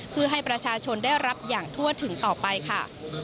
เพื่อให้ประชาชนได้รับอย่างทั่วถึงต่อไปค่ะ